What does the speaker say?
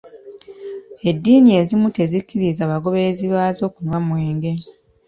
Edddiini ezimu tezikkiriza bagooberezi baazo kunywa mwenge